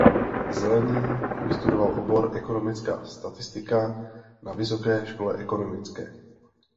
Zelený vystudoval obor ekonomická statistika na Vysoké škole ekonomické.